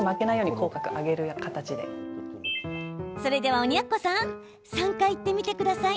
それでは、鬼奴さん３回言ってみてください。